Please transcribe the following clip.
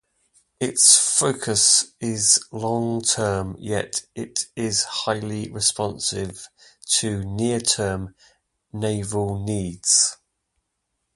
Its focus is long term, yet it is highly responsive to near-term Naval needs.